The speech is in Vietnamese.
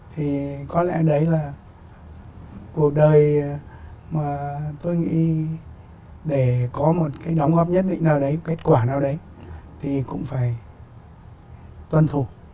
thì có lẽ đấy là cuộc đời mà tôi nghĩ để có một cái đóng góp nhất định nào đấy kết quả nào đấy thì cũng phải tuân thủ